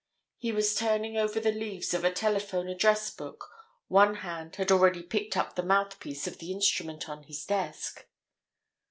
He was turning over the leaves of a telephone address book; one hand had already picked up the mouthpiece of the instrument on his desk.